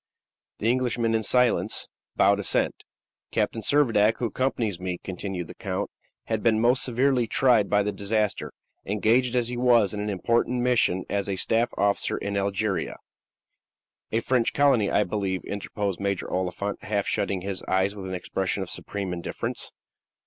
The Englishmen, in silence, bowed assent. "Captain Servadac, who accompanies me," continued the count, "has been most severely tried by the disaster. Engaged as he was in an important mission as a staff officer in Algeria " "A French colony, I believe," interposed Major Oliphant, half shutting his eyes with an expression of supreme indifference.